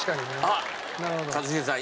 あっ一茂さん